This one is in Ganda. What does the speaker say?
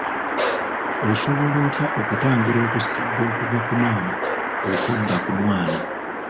Osobola otya okutangira okusiiga okuva ku maama okudda ku mwana?